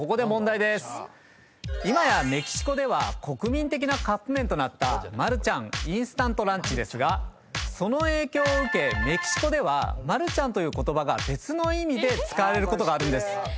今やメキシコでは国民的なカップ麺となったマルちゃんインスタントランチですがその影響を受けメキシコでは「マルちゃん」という言葉が別の意味で使われることがあるんです。